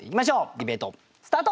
ディベートスタート。